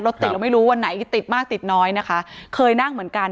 ติดเราไม่รู้วันไหนติดมากติดน้อยนะคะเคยนั่งเหมือนกัน